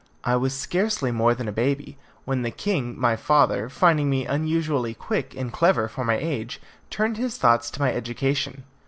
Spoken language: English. I was scarcely more than a baby, when the king my father, finding me unusually quick and clever for my age, turned his thoughts to my education.